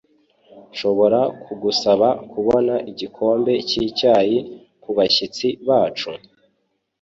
Nshobora kugusaba kubona igikombe cyicyayi kubashyitsi bacu?